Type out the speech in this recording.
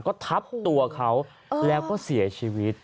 ก็ทับตัวเขาแล้วก็เสียชีวิต